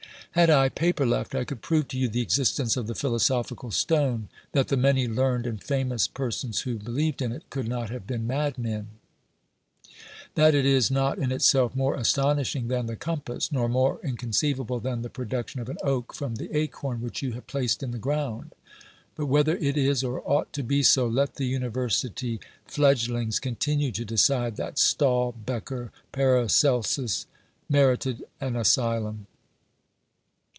Had I paper left, I could prove to you the existence of the philosophical stone; that the many learned and famous persons who believed in it could not have been madmen ; that it is not in itself more astonishing than the compass, nor more inconceivable than the production of an oak from the acorn which you have placed in the ground ; but whether it is or ought to be so, let the university fledglings continue to decide that Stahl, Bekker, Paracelsus merited an asylum.